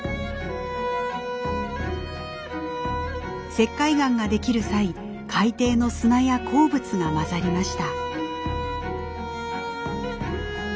石灰岩ができる際海底の砂や鉱物が混ざりました。